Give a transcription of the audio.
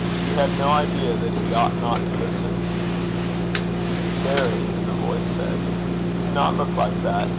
He had no idea that he ought not to listen. 'Mary,' the voice said, 'do not look like that.